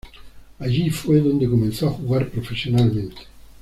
Allí fue donde comenzó a jugar profesionalmente.